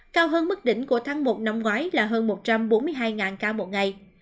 cao hơn mức đỉnh của tháng một năm ngoái là hơn một trăm bốn mươi hai ca một ngày